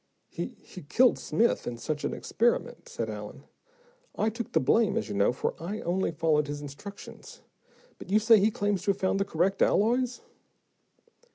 "He he killed Smith in such an experiment," said Allen. "I took the blame, as you know, though I only followed his instructions. But you say he claims to have found the correct alloys?"